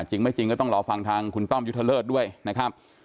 จริงไม่จริงก็ต้องรอฟังทางคุณต้อมยุทธเลิศด้วยนะครับ